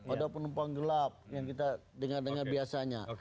ada penumpang gelap yang kita dengar dengar biasanya